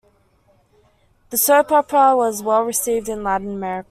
The soap opera was well received in Latin America.